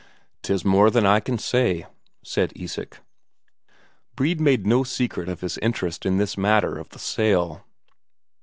"'Tis more than I can say," said Isak. Brede made no secret of his interest in this matter of the sale.